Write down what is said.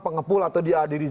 pengepul atau diadil di dpr